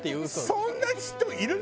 そんな人いるの？